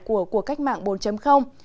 của cuộc cách mạng bốn